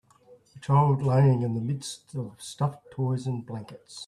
A child laying in the midst of stuffed toys and blankets.